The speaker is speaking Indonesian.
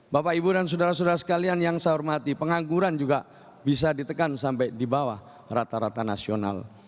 bapak ibu dan saudara saudara sekalian yang saya hormati pengangguran juga bisa ditekan sampai di bawah rata rata nasional